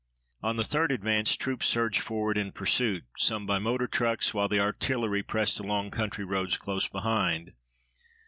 On the 3d advance troops surged forward in pursuit, some by motor trucks, while the artillery pressed along the country roads close behind.